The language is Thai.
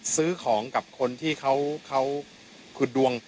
ซื้อของกับคนที่เขาขุดดวง